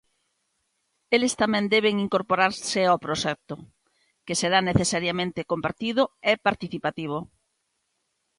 Eles tamén deben incorporarse ao proxecto, "que será necesariamente compartido e participativo".